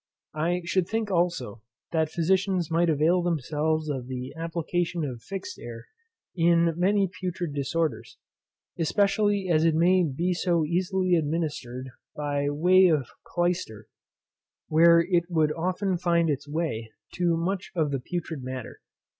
I should think also that physicians might avail themselves of the application of fixed air in many putrid disorders, especially as it may be so easily administered by way of clyster, where it would often find its way to much of the putrid matter.